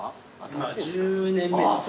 今１０年目ですね。